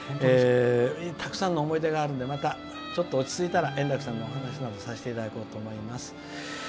たくさんの思い出があるのでまた、落ち着いたら円楽さんのお話などさせていただこうと思います。